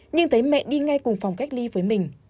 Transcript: nhưng thấy mẹ đi ngay cùng phòng cách ly với mình